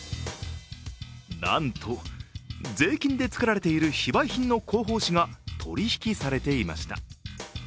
なんと税金で作られている非売品の広報誌が取引されていました。